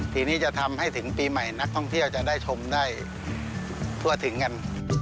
ทีนี้จะทำให้ถึงปีใหม่นักท่องเที่ยวจะได้ชมได้ทั่วถึงกัน